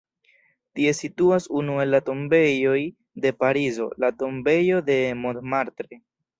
Tie situas unu el la tombejoj de Parizo, la tombejo de Montmartre.